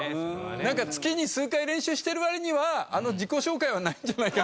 なんか月に数回練習してる割にはあの自己紹介はないんじゃないかなと。